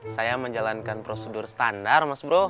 saya menjalankan prosedur standar mas bro